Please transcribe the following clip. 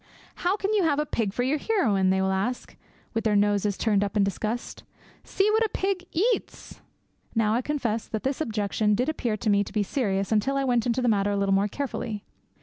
'How can you have a pig for your heroine?' they will ask, with their noses turned up in disgust. 'See what a pig eats!' Now I confess that this objection did appear to me to be serious until I went into the matter a little more carefully.